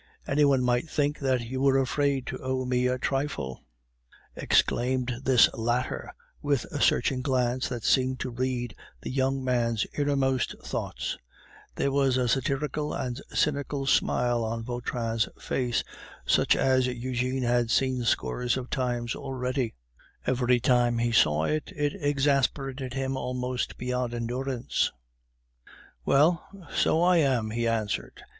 "Any one might think that you were afraid to owe me a trifle," exclaimed this latter, with a searching glance that seemed to read the young man's inmost thoughts; there was a satirical and cynical smile on Vautrin's face such as Eugene had seen scores of times already; every time he saw it, it exasperated him almost beyond endurance. "Well... so I am," he answered.